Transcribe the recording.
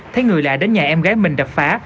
thấy người lạ đến nhà em gái mình đập phá